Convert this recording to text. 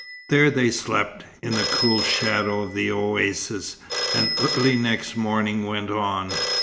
There they slept, in the cool shadow of the oasis, and early next morning went on.